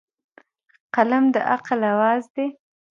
قلم د عقل اواز دی.